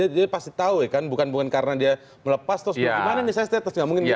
dia pasti tahu ya bukan karena dia melepas ke howenation kamu